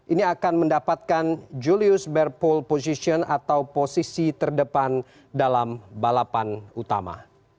ini akan mendapatkan julius barpol position atau posisi terdepan dalam balapan utama